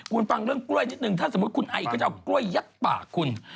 คุณฟังเรื่องกล้วยนิดนึงถ้าสมมุติคุณไอก็จะเอากล้วยยัดปากคุณ